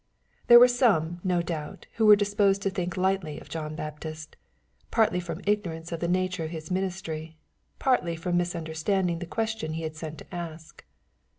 There were some, no doubt, who were disposed to think lightly of John Baptist, partly from ignorance of the nature of his ministry, partly from misunderstanding the question he had sent to ask.